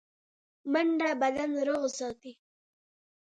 منډه بدن روغ ساتي